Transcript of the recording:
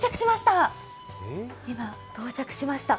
到着しました。